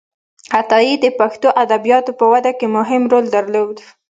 عطایي د پښتو ادبياتو په وده کې مهم رول درلود.